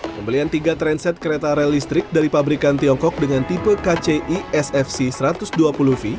pembelian tiga transit kereta rel listrik dari pabrikan tiongkok dengan tipe kci sfc satu ratus dua puluh v